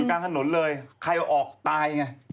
อยู่กลางถนนเลยใครออกตายไง